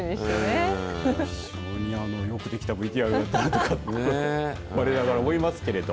すごいよくできたＶＴＲだったとわれながら思いますけれど。